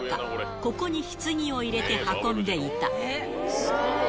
ここにひつぎを入れて運んでいた。